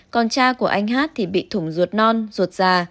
còn cha của anh h thì bị thủng ruột non ruột già